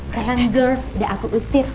sayang girls udah aku usir